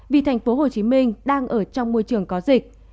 vì thành phố hồ chí minh đang ở trong môi trường có dịch